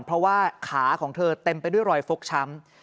เพราะว่าขาของเธอเต็มไปด้วยรอยฟกช้ำ